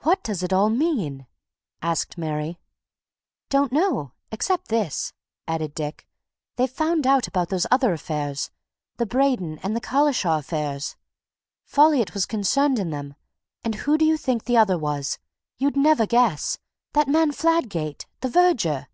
"What does it all mean?" asked Mary. "Don't know. Except this," added Dick; "they've found out about those other affairs the Braden and the Collishaw affairs. Folliot was concerned in them; and who do you think the other was? You'd never guess! That man Fladgate, the verger.